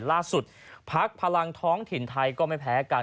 พักพลังท้องถิ่นไทยก็ไม่แพ้กัน